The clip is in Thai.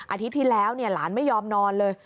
อาทิตย์ที่แล้วหลานไม่ยอมนอนเลย